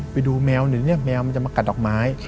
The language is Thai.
ไปดูแมวหนึ่งเนี่ยแมวมันจะมากัดดอกไม้